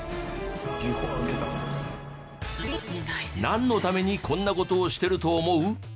なんのためにこんな事をしてると思う？